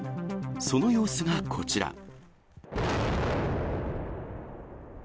その様子がこちら。